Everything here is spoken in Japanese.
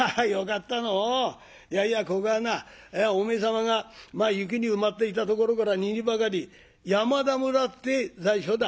いやいやここはなお前様が雪に埋まっていたところから二里ばかり山田村って在所だ。